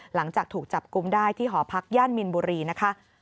หลังจากถูกจับกลุ่มได้ที่หอพักย่านมินบุรีนะคะ